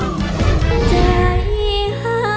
ร้องได้ให้ร้าง